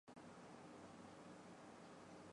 他也是南极研究科学委员会第一位苏联代表。